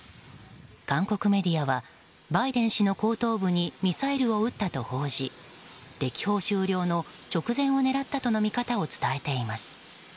韓国メディアはバイデン氏の後頭部にミサイルを撃ったと報じ歴訪終了の直前を狙ったとの見方を伝えています。